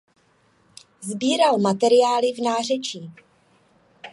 Sbíral materiály v nářečí.